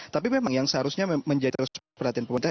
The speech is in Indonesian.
tapi memang yang seharusnya menjadi perhatian pemerintah